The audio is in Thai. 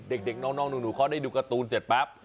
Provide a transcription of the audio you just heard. เด็กน้องหนูเขาได้ดูการ์ตูนเสร็จปั๊บ